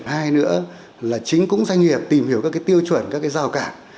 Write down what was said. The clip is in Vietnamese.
hai nữa là chính cũng doanh nghiệp tìm hiểu các cái tiêu chuẩn các cái giao cản